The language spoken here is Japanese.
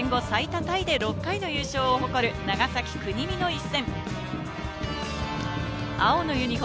タイで６回の優勝を誇る長崎・国見の一戦。